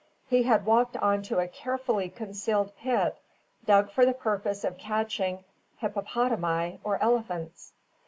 He had walked on to a carefully concealed pit, dug for the purpose of catching hippopotami or elephants.